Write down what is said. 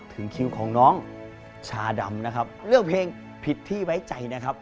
ถึงคิวของน้องชาดำนะครับเลือกเพลงผิดที่ไว้ใจนะครับ